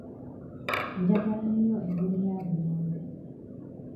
Njagala nnyo emmere ya lumonde.